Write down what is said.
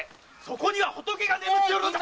ここには仏が眠っておるのだ！